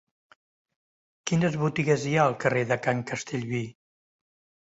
Quines botigues hi ha al carrer de Can Castellví?